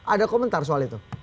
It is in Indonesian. ada komentar soal itu